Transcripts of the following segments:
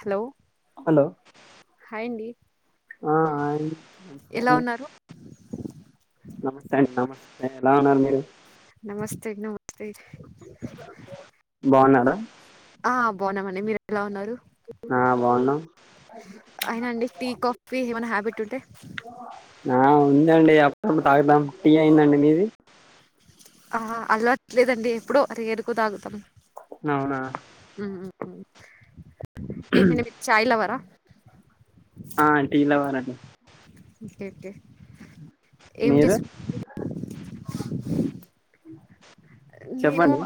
Hello hello hi అండి ఆ hi నమస్తే ఎలా అండీ ఉన్నారు నమస్తే అండి నమస్తే ఎలాఉన్నారు మీరు నమస్తే నమస్తే బాగున్నారా ఆ బావున్నామండి మీరు ఎలా ఉన్నారు ఆ బాగున్నాం అయిన అండి టీ కాఫీ ఏమైనా హ్యాబిట్ ఉంటే ఆ ఉందండి అప్పుడప్పుడు తాగుదాం టీ అయిందండి మీది ఆ అలవాటు లేదండి ఎప్పుడో రేర్ గా తాగుతాం అవునా ఏంటి మీరు చాయిలవరా ఆ టీ లవరండి ఏంటి ఏం మీరు తీస్ నేను చెప్పండి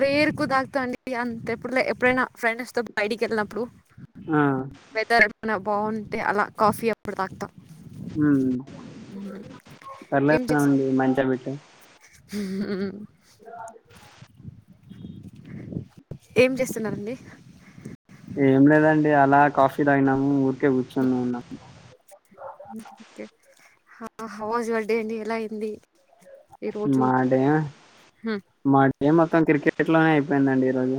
రేర్ ఎక్కువ తాగుతా అండి టీ అంత ఎప్పుడు ఎప్పుడైనా ఫ్రెండ్స్ తో బయటికి వెళ్ళినప్పుడు ఆ అ బాగుంటే అలా కాఫీ అప్పుడు తాగుతా హ్మ్ ఏం పర్లేదుగా చేస్త అండి మంచి బిట్టే అ ఏం చేస్తున్నారండి ఏం లేదండి అలా కాఫీ తాగినాము ఊరికే కూర్చొని ఉన్నాము ఆ హౌ వాజ్ యువర్డే అండి ఎలా అయింది ఈ రోజు మా డే మా డే మొత్తం క్రికెట్ లోనే అయి ఏందండి ఈ రోజు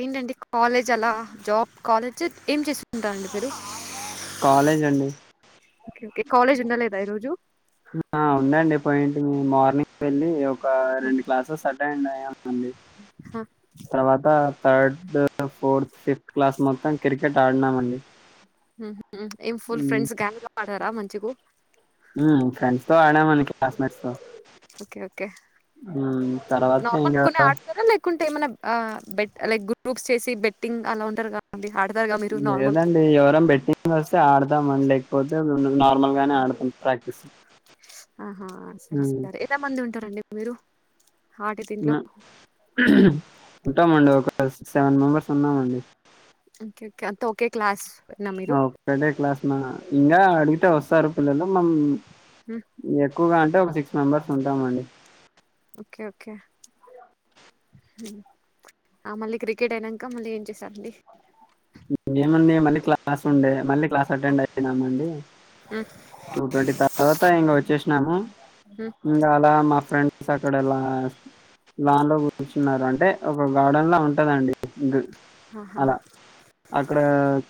ఏంటండి కాలేజ్ అలా జాబ్ కాలేజ్ ఏం చేసుకుంటారండి మీరు కాలేజ్ అండి కాలేజ్ ఉండ లేదా ఈ రోజు ఆ ఉందండి పోయింటిమి మార్నింగ్ వెళ్ళి ఒక రెండు క్లాసెస్ అటెండ్ అయ్యా అండి ఆహా, తర్వాత థర్డ్ ఫోర్త్ ఫిఫ్త్ క్లాస్ మొత్తం క్రికెట్ ఆడినామండి ఊహూ ఏం ఫుల్ మ్మ్. ఫ్రెండ్స్ గ్యాంగ్ గా ఆడారా మంచిగు క్లాస్ మేట్స్ తో ఓకే ఓకే మ్మ్, తర్వాత నార్మల్ ఇంకా కొన్ని ఆడతారా లే కుంటే ఏమన్నా ఆ బెట్ లైక్ గ్రూప్స్ చేసి బెట్టింగ్ అలా ఉంటరు కాండి లేదండి ఎవరం బెట్టింగ్ వస్తే ఆడతాం అండి క పోతే నార్మల్ గానే ఆడతాం ప్రాక్టీస్ ఆహా సరే సార్ ఎంత మంది ఉంటారండి మీరు ఆడే దీంట్లో ఉంటామండి ఒక సిక్ సెవెన్ మెంబర్స్ ఉన్నామండి ఓకే ఓకే అంత ఓకే క్లాస్ నా మీరు ఒకడే క్లాస్ మా ఇంకా అడిగితే వస్తారు పిల్లలు మం మ్మ్. ఎక్కువగా అంటే ఒక సిక్స్ మెంబర్స్ ఉంటామండి ఓకే ఓకే ఆ మళ్ళీ క్రికెట్ అయినాక మళ్ళీ ఏం చేసారండి ఏముంది మళ్ళీ క్లాస్ ఉండే మళ్ళీ క్లాస్ అటెండ్ అయినామండి మ్మ్, టూ ట్వంటీ తర్వాత ఇక వచ్చేసినాము మ్మ్. ఇంకా అలా మా ఫ్రెండ్స్ అక్కడలా లాన్ లో కూర్చున్నారు అంటే ఒక గార్డెన్లా ఉంటదండి ఆహా అలా అక్కడ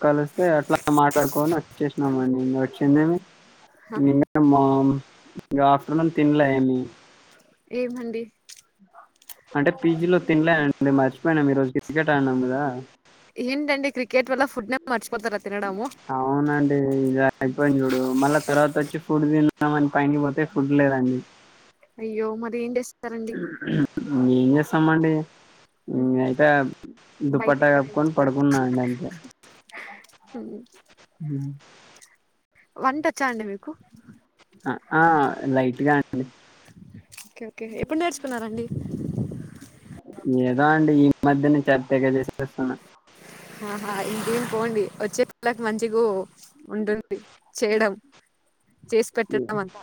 కలిస్తే అట్లా మాట్లాడుకోని వచ్చేసినామండి వచ్చిందేమి ఆహా. [unintelligible] ఇంకా ఆఫ్టర్నూన్ తినల ఏమి ఏమండి అంటే పీజీలో తినలే అండి మర్చిపోయినాం ఈరోజు క్రికెట్ ఆడినాం కదా ఏంటండి క్రికెట్ వల్ల ఫుడ్ నే మర్చి అవునండి ఇద అయిపోయింది చూడు మళ్ళా తర్వాత వచ్చి ఫుడ్ తిందాంమని పైకి పోతే ఫుడ్ లేదండి అయ్యో మరి ఏంటి చేస్తారండి స్తమండి ఉమ్, అయితే బయట దుప్పట్టా ఎక్కడ కప్పుకొని తినట్లేదా పడుకున్నా అండి అంతే హ్మ్. వంట వచ్చా అండి మీకు ఆ లైట్గా ఓకే ఓకే ఎప్పుడు నేర్చుకున్నారండి ఏదో అండి ఈ మధ్యనే చతగా చేసేస్తునా ఆహా ఇంకేం పోండి వచ్చే పల్లకి మంచిగ ఉంటుంది చేయడం చేసి పెట్టడం అంతా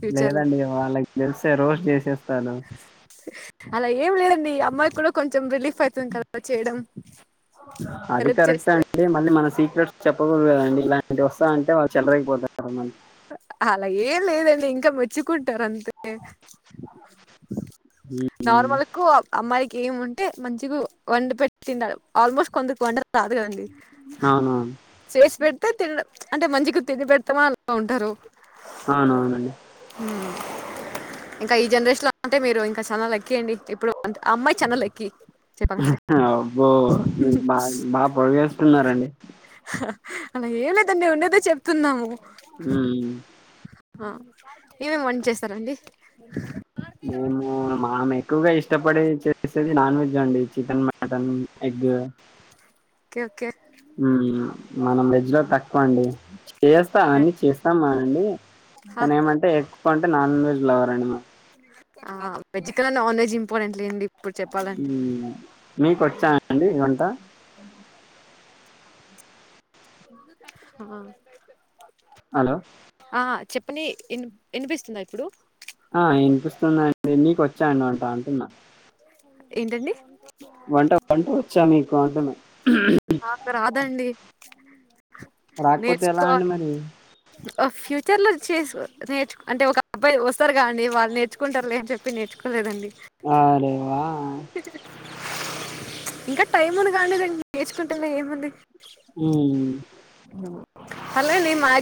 ఫ్యూచర్ లో లేదండి వాళ్ళకి తెలిసే రోస్ చేసేస్తాను అలా ఏం లేదండి అమ్మాయి కూడా కొంచెం రిలీఫ్ అయితుంది కదా చేయడం హెల్ప్ చేస్తే తప్పూదుదండి ఇలాంటి వస్తా అంటే వాళ్ళు చేల్లరేగిపోతారు అలా ఏం లేదండి ఇంకా మెచ్చికుంటారు అంతే నార్మల్కు అమ్మాయికి ఏమి ఉంటే మంచిగా వంట పెట్ తంటడు ఆల్మోస్ట్ కొందరు వంట రాదు కదండి అవునవును చేసి పెడితే తినడం అంటే మంచిగా తిని పెడతామా బావుంటారు అవునువునండి ఇంకా ఈ జనరేషన్ లో అంటే మీరు ఇంకా చెన్న లక్కీ అండి ఇప్పుడు అమ్మాయి చెన్న లక్కీ చెప్పాలంటె అబ్బో మీరు బాగా బాగా పొడిగేస్తున్నారండి అలా ఏ లేదు అండి ఉండేదే చెప్తున్నాము హ్మ్ ఆ ఏమేమి వం చేస్తారండి మేము మాము ఎక్కువగా ఇష్టపడే చేసేది నాన్ వెజ్ అండి చికెన్ మటన్ ఎగ్ ఒకే ఒకే మనం వెజ్ లో తక్కువ అండి చేస్తా అన్ని చేస్తాను మానండి తని ఏమంటే ఎక్కువ అంటే నాన్ వెజ్ లవర్ అయినా ఆ వెజ్ కన్నా నాన్ వెజ్ ఇంపార్టెంట్ లేండి ఇప్పుడు చెప్పాలంటే మ్మ్ మీకొచ్చా అండి వంట ఆ హలో ఆ చెప్పని ఎ వినిపిస్తుందా ఇప్పుడు ఆ వినిపిస్తుందిండి నీకు వచ్చాండి వంట అంటున్నా ఏంటండి వంట వంట వచ్చా మీకు అంటేను నాక రాదండి రాకపోతే ఎలా అండి నేర్చుకోవాలి మరి ఫ్యూచర్లో చే నేర్చు అంటే ఒక అబ్బాయి వస్తారుగా అండి వాళ్ళు నేర్చుకుంటారు లే అని చెప్పి నేర్చుకోలేదండి వా రే వా ఇంకా టైం ఉంది కాండదండి నేర్చుకుంటేనే ఏముంది మ్మ్. అలా ని ఆ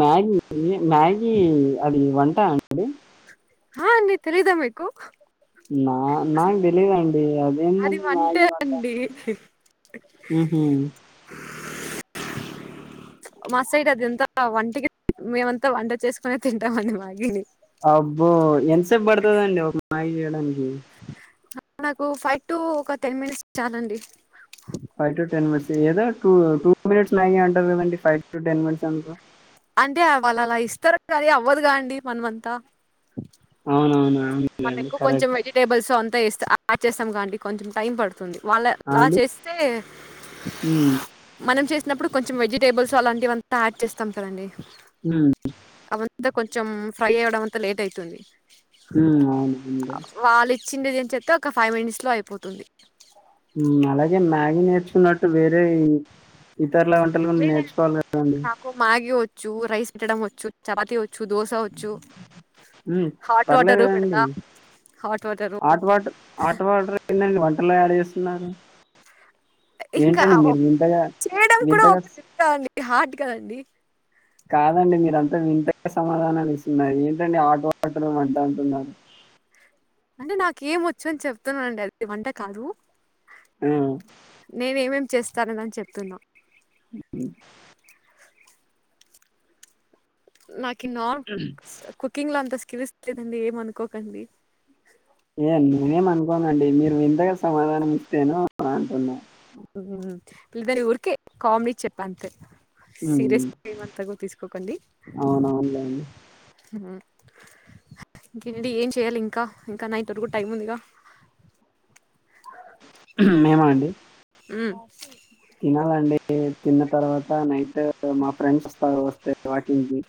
మ్యాగీ మ్యాగీ అది వన్ వంట అండి హా అండి తెలిదా మీకు నా నా తెలీదండి అది అదేందండి వంటే మ్యాగి వంట అండి మ్హూ. మా సైడ్ అదింతా వంటకి మేమంతా వంట చేసుకునే తింటామని మ్యాగీ నీ అబ్బో ఎంతసేపు పడుతుందండి ఒక మాయి చేయడానికి ఆ నాకు ఫైవ్ టు ఒక టెన్ మినిట్స్ చాలండి ఫైవ్ టు టెన్ మినిట్స్ ఏదో టూ టూ మినిట్స్ లాగే అంటారు కదండి ఫైవ్ టెన్ మినిట్స్ ఏందుకు అంటే వాళ్ళు అలా ఇస్తారు కానీ అవ్వదుగా అండి మనమంతా అవునవును మన అవునులేండి ఎక్కువ కొంచెం కరెక్ట్ వెజిటేబుల్స్ అ తేస్తే ఆ చేస్తాం కాండి కొంచెం టైం పడుంది ఆ వాళ్ళలా అండి చేస్తే హ్మ్ మనం చే తినప్పుడు కొంచెం వెజిటేబుల్స్ అలాంటివింతా యాడ్ చేస్తాం కదండి ఉమ్ అంత కొంచెం ఫ్రై అయ్యడం అంతా లేట్ అవుతుంది ఉమ్ అవును ఉండే చిందిదించేత్తే ఒక ఫైవ్ మినిట్స్ లో అయిపోతుంది ఉమ్ అలాగే మ్యాగీ నేర్చుకున్నట్టు వేరేయి లే కదండి కాకు మ్యాగి వొచ్చు రైస్ పెట్టడం వొచ్చు చపాతి వొచ్ చ్చు దోశ వొచ్చు హాట్ వాటరు పెడతా హాట్ వాటర్ అట్వాటర్ అట్వాటర్ ఎందండీ వంటల్లో యాడ్ చేస్తున్నారు ఇంకా ఏంటండి మీరు వింతగా చేయడం కూడా వింతగా ఒక స్- [unintelligible] అండి హాట్గ అండి కాదండి మీరంతా వింతగా సమాధానాలు ఇస్తున్నారు ఏంటండి హాట్ వాటర్ వంట అంటున్నారు అంటే నాకేం వొచ్చు అని చెప్తున్నానండి అది వంట కాదు ఆ నేన్ ఏమేం చేస్తాననిని చెప్తున్నా నాకు నాన్ కుకింగ్ లో అంత స్కిల్స్ లేదండి ఏమనుకోకండి ఏ నేనేం నేను రా అంటున్నా పిల్లదరి ఊరికే కామెడీ చెప్ప అంతే హ్మ్ సీరెస్ ఏంతకు తీసుకోకండి అవునవునులేండి ఉమ్ ఇంకేండి ఏం చేయాలి ఇంకా ఇంకా నైట్ వరకు టైం ఉందిగా [inaudible] ఉహు మేమా అండి ఉమ్ ఆ నైట్ మా ఫ్రెండ్స్ వస్తారు వస్తే వాకింగ్ కి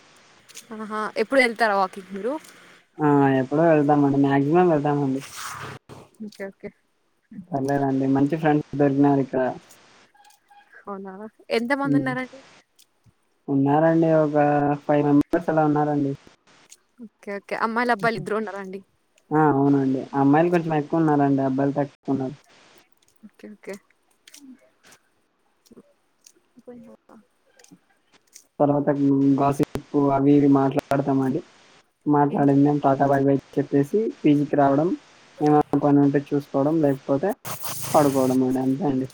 ఆహా ఎప్పుడు వెళ్తారా వాకింగ్ మీరు ఆ ఎప్పుడో వెళ్తామండి మాక్సిమం వెళ్తామండి ఓకే ఓకే పర్లేదండి మంచి ఫ్రెండ్స్ దొరికినారికినారు ఇక్కడ అవునా! ఎంత ఉమ్ మందున్నారండి? ఉన్నారండి ఒక ఫైవ్ మెంబర్స్ అలా ఉన్నారండి ఓకేే ఓక్ ఆ అవునండి ఆ అమ్మాయిలు కొంచెం ఎక్కువ ఉన్నారురండి అబ్బాయిలు తక్కువన్నారు ఓకే ఓకే పోయిన్నవా తర్వాత గాసేపు అవి ఇవి మాట్లాడాతామ అండి ఏంటి మాట్లాడిందేం టాటా బాయ్ బాయ్ చెప్పేసి పీజీకి రావడం ఏమైనా పని ఉంటే చూసు కోవడం లేకపోతే పడుకోవడం అని అంతే అండి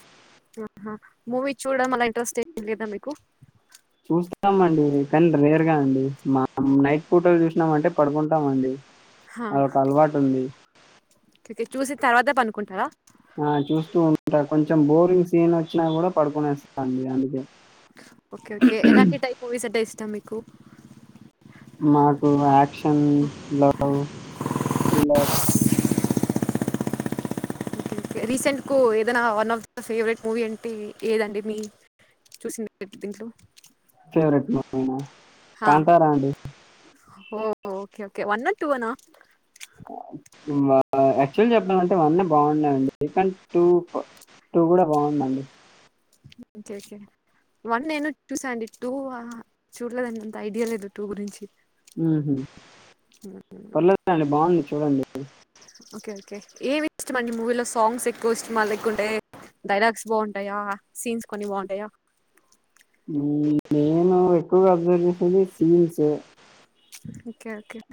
ఆహా మూవీ చూడం అలా ఇంట్రెస్ట్ ఏం లేదా మీకు? చూస్తామండి కానీ రేర్ గా అండి మ నైట్ పూటలు చూసినాం అంటే పడుకుంటాం అండి హా చూసి తర్వాత పనుకుంటారా ఆ చూస్తూ ఉంటా కొంచెం బోరింగ్ సీన్ వచ్చినా కూడా పడుకొనేస్తాండి అందుకే ఓకే ఓకే ఎలా టైప్ మూవీస్ అంటే ఇష్టం మీకు. మాకు యాక్షన్ లో్రిల్లర్. రీసెంట్ కు ఏదైనా one of the favourite movie అంటే ఏదండి మీ. చూసింది దీంట్లో. ఫేవరెట్ మూవీనా కాంతారా అండి. ఓఓకే ఓకే వన్ నా ూ అనా. యాక్చువల్ చెప్పడంాలంటే వన్నే బాగున్నాయండి కా టూ. టూవ కూడా బాగుందండి. చే సే. వన్ నేను చూసాండి టూ చూడలేదన్నంత ఐడియా లేదు టూ గురించి. ఉ పర్లేదుా అండి బాగుంది చూడండి. ఓకే ఓకే ఏవి ఇష్టమండి మూవీలో సాంగ్స్ ఎక్కువ ఇష్టం ఎక్కుంటే. డైలాగ్స్ బాగుంటాయా సీన్స్ కొన్ని బాగుంటాయా. ఎక్కు అబ్జర్వేషన్ సీన్స్. అ.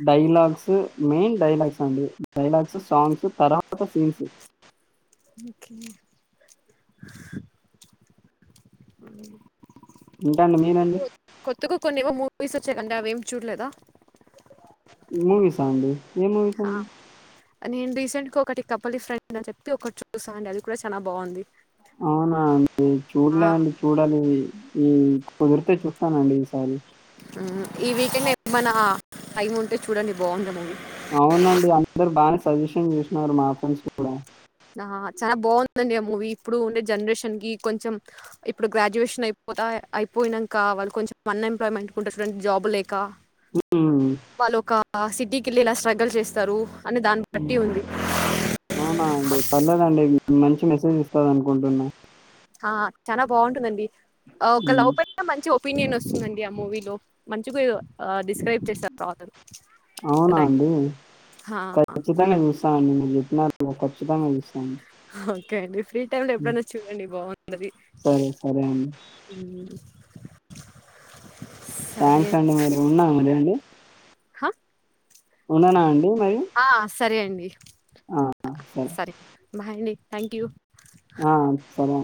Dialogues main dialogues. Dialogues songs తర్వాత సీన్స్. ము. ఏంటండి మీనండి. ఇందుకు కొన్నివో మూవీస్ వచ్చా కంటడి అవేం చూడలేదా మూవీస్ అండి ఏ మూవీస్ ఆ, అడి. నేను రీసెంట్ గా ఒకటి కపలి ఫ్రెండ్ అని చెప్పి ఒకటి చూసాను అండి అది కూడా చాలా బాగుంది. అవునా అండి ఆ, చూడలే అండి చూడాలి ఇ ఈ. కుదిరితే చూస్తానండి ఈసారి. ఈ వీకెండ్ ఏమన్నా టైం ఉంటే చూడండి బాగుందా మూ. అవునండి అందరు బాగా సజెషన్ చేసినారు మా ఫ్రెండ్స్ కూడా. ఆ చాలా బాగుందండి ఆ మూవీ ఇప్పుడు ఉండే జనరేషన్ కి కొంచెం ఇప్పుడు గ్రాడ్యుయేషన్ అయి. పోత అయిపోయినాక వాళ్ళు కొంచెం అన్ఎంప్లాయ్మెంట్కుంటుారు జాబ్ు లేక. ఉ. వాళ్ళుొ ఒక సిటీకి వెళ్ళి ఇలా స్ట్రగల్ చేస్తారు. అని దాన్ని బట్టి ఉంది. అవునా అండి పర్లేదండి మంచి మెసేజ్ ఇస్తంది అనుకుంటున్నాను. ఆ చాలా బాగుంటుందండి ఒక ఉమ్, లోప మంచి. ఒపీనియన్ వస్తుందండి ఆ మూవీలో మంచిగా డిస్క్రైబ్ చేస్తారు కాదు. అవునా అండి హా ఖచ్చితంగా చూస్తాండి మీరు చెప్పిన. ఖచ్చితంగా చూస్తా అండి. ఓకే అండి ఫ్రీ టైమ్ లో ఎప్పుడైనా చూడండి బాగుందిది సరే సరే అండి అ థ్యాంక్స్ అండి మీరి ఉన్నా మరండి. హా. ఉండనా అండి మరి ఆ సరే అండి. ఆ సరే. మాయనే థ్యాంక్ యూ. ఆ సరే.